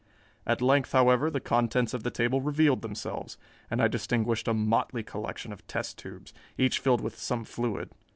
At length, however, the contents of the table revealed themselves, and I distinguished a motley collection of test tubes, each filled with some fluid.